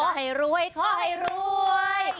ให้รวยขอให้รวย